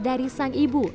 dari sang ibu